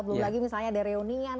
belum lagi misalnya ada reunian